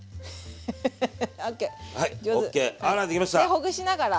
でほぐしながら。